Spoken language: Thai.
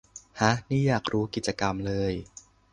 ห๊ะ นี่อยากรู้กิจกรรมเลย